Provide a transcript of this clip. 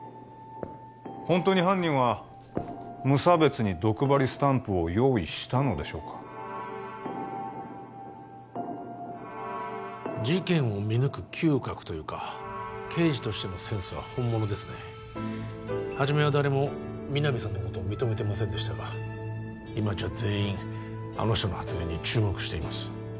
本当に犯人は無差別に毒針スタンプを用意したのでしょうか事件を見抜く嗅覚というか刑事としてのセンスは本物ですね初めは誰も皆実さんのことを認めてませんでしたが今じゃ全員あの人の発言に注目しています